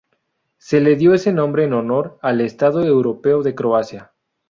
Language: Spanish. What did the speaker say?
Se le dio ese nombre en honor al estado europeo de Croacia.